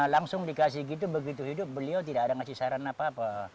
langsung dikasih gitu begitu hidup beliau tidak ada ngasih saran apa apa